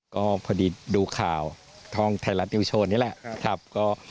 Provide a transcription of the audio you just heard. ก็พอดีดูข่าวช่องไทยรัฐนิวโชว์นี่แหละครับ